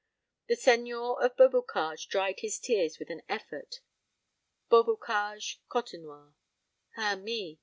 The seigneur of Beaubocage dried his tears with an effort. Beaubocage Côtenoir. Ah, me!